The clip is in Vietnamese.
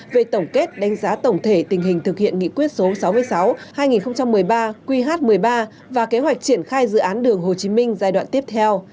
về tổng kết đánh giá tổng thể tình hình thực hiện nghị quyết số sáu mươi sáu hai nghìn một mươi ba qh một mươi ba và kế hoạch triển khai dự án đường hồ chí minh giai đoạn tiếp theo